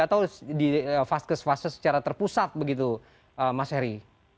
atau di fase fase secara terpusat begitu mas heri